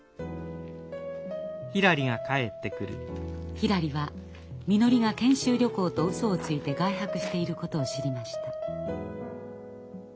ひらりはみのりが研修旅行とうそをついて外泊していることを知りました。